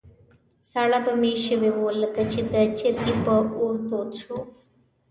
ساړه به یې شوي وو، لکه چې د چرګۍ په اور تود شو.